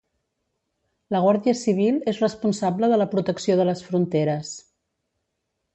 La Guàrdia Civil és responsable de la protecció de les fronteres.